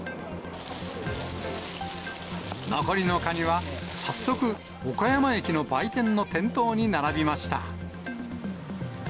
残りのかには早速、岡山駅の売店の店頭に並びました。